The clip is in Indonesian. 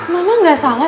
mama gak salah